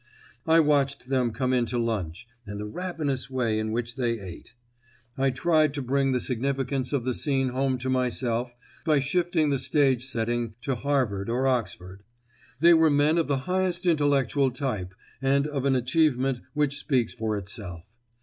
I watched them come in to lunch and the ravenous way in which they ate. I tried to bring the significance of the scene home to myself by shifting the stage setting to Harvard or Oxford. They were men of the highest intellectual type and of an achievement which speaks for itself.